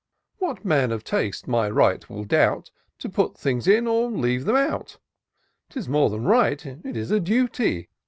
What man of taste my right will doubt. To put things in, or leave them out ? 'Tis more than right, it is a duty.